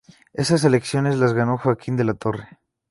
Esas elecciones las ganó Joaquín de la Torre.